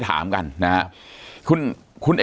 ปากกับภาคภูมิ